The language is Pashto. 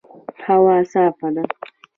هوا صافه ده